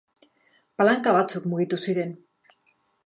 Palanka batzuk mugitu ziren.